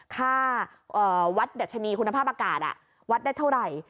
ค่าวัดดัชนีคุณภาพอากาศวัดได้เท่าไหร่